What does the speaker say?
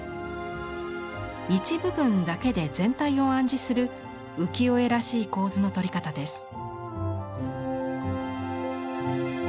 一部分だけで全体を暗示する浮世絵らしい構図の取り方です。